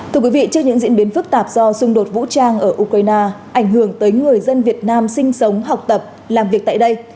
thưa quý vị trước những diễn biến phức tạp do xung đột vũ trang ở ukraine ảnh hưởng tới người dân việt nam sinh sống học tập làm việc tại đây